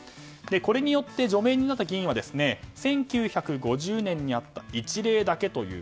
これによって除名になった議員は１９５０年にあった１例だけだと。